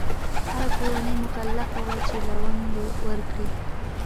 هره کورنۍ مکلفه وه چې لونګ ورکړي.